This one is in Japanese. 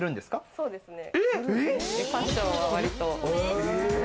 そうですね。